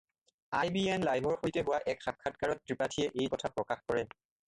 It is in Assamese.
আইবিএন লাইভৰ সৈতে হোৱা এক সাক্ষাৎকাৰত ত্ৰিপাঠীয়ে এই কথা প্ৰকাশ কৰে।